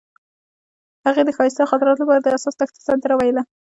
هغې د ښایسته خاطرو لپاره د حساس دښته سندره ویله.